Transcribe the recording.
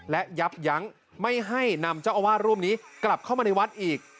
และยับยั้งไม่ให้นำเจ้าอาวาสรูปนี้กลับเข้ามาในวัดอีก